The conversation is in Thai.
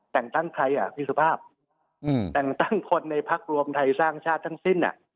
แต่งตั้งใครอ่ะพี่สุภาพแต่งตั้งคนในพักรวมไทยสร้างชาติทั้งสิ้น